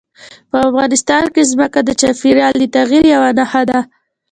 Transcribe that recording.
په افغانستان کې ځمکه د چاپېریال د تغیر یوه نښه ده.